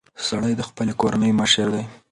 سړی د خپلې کورنۍ مشر دی.